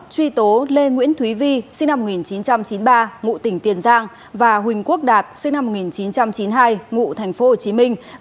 truy tố lê nguyễn thúy vi sinh năm một nghìn chín trăm chín mươi ba ngụ tỉnh tiền giang và huỳnh quốc đạt sinh năm một nghìn chín trăm chín mươi hai ngụ thành phố hồ chí minh